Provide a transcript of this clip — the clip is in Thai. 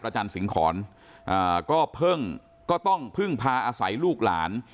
จันสิงหอนก็เพิ่งก็ต้องพึ่งพาอาศัยลูกหลาน